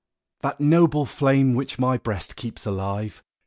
That noble flame, which my Ijreast keeps alive.